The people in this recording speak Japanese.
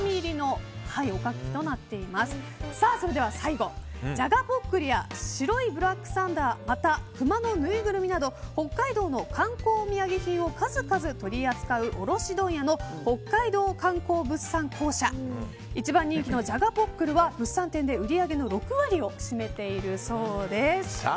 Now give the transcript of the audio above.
続いて、じゃがポックルや白いブラックサンダーまたクマのぬいぐるみなど北海道の観光お土産品を数々取り扱う卸問屋の北海道観光物産興社一番人気のじゃがポックルは物産展で売り上げの６割を占めているそうです。